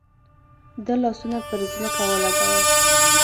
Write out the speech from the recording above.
ده لاسونه پر ځمکه ولګول.